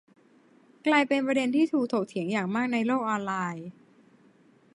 กลายเป็นประเด็นที่ถูกถกเถียงอย่างมากในโลกออนไลน์